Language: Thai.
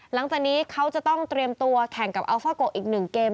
หลังจากนี้เขาจะต้องเตรียมตัวแข่งกับอัลฟาโกะอีกหนึ่งเกม